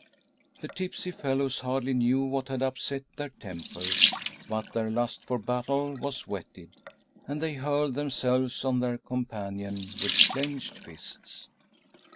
The tipsy fellows hardly knew what had upset their tempers, but their lust for battle was whetted, and they hurled themselves on their companion with clenched fists.